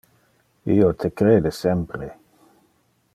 Io te crede sempre.